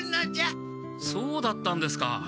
そうだったんですか。